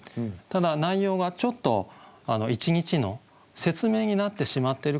ただ内容がちょっと一日の説明になってしまってるかなと思うんですね。